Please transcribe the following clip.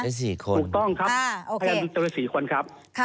ถูกต้องครับใช้๔คนครับ